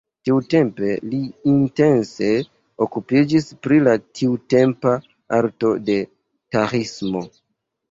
Tiutempe li intense okupiĝis pri la tiutempa arto de taĥismo.